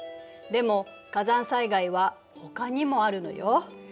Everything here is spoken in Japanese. でも火山災害はほかにもあるのよ。